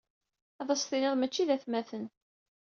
Ad as-tiniḍ mačci d atmaten.